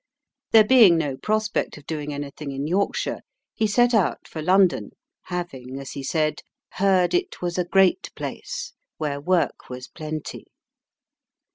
There being no prospect of doing anything in Yorkshire, he set out for London, having, as he said, "heard it was a great place, where work was plenty."